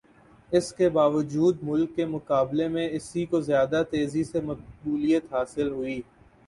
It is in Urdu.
اس کے باوجود میک کے مقابلے میں اسی کو زیادہ تیزی سے مقبولیت حاصل ہوئی